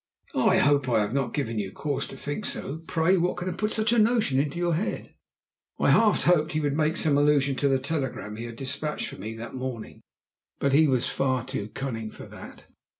"I hope I have not given you cause to think so. Pray what can have put such a notion into your head?" I half hoped that he would make some allusion to the telegram he had despatched for me that morning, but he was far too cunning for that.